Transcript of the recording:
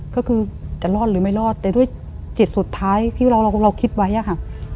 ก็คือจะรอดหรือไม่รอดแต่ด้วยจิตสุดท้ายที่เราคิดไว้อะค่ะ